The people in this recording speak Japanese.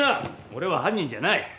俺は犯人じゃない。